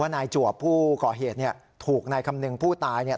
นายจวบผู้ก่อเหตุเนี่ยถูกนายคำนึงผู้ตายเนี่ย